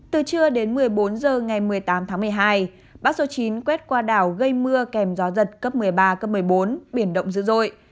từ trưa đến một mươi bốn h ngày một mươi tám tháng một mươi hai bão số chín quét qua đảo gây mưa kèm gió giật cấp một mươi ba cấp một mươi bốn biển động dữ dội